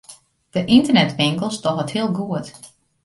De ynternetwinkels dogge it heel goed.